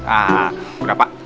ah udah pak